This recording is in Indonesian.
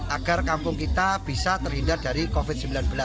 agar kampung kita bisa terhindar dari covid sembilan belas